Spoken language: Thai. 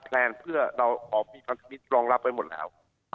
แพลนเพื่อเราออกมีการที่บินรองรับไว้หมดแล้ว